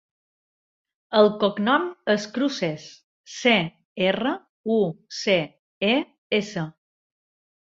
El cognom és Cruces: ce, erra, u, ce, e, essa.